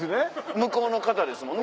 向こうの方ですもんね。